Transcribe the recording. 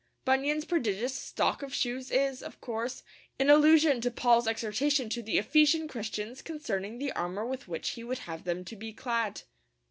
Bunyan's prodigious stock of shoes is, of course, an allusion to Paul's exhortation to the Ephesian Christians concerning the armour with which he would have them to be clad.